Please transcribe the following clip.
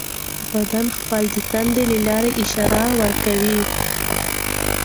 بدن خپله د تندې له لارې اشاره ورکوي.